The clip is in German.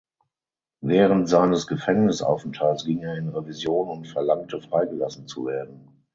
Während seines Gefängnisaufenthaltes ging er in Revision und verlangte freigelassen zu werden.